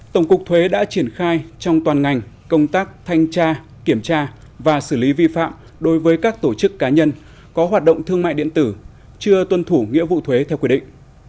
tổng cục thuế đã triển khai trong toàn ngành công tác thanh tra kiểm tra và xử lý vi phạm đối với các tổ chức cá nhân có hoạt động thương mại điện tử chưa tuân thủ nghĩa vụ thuế theo quy định